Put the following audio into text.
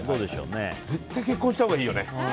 絶対、結婚したほうがいいよね。